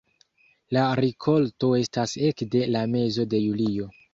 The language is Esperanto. La rikolto estas ekde la mezo de julio.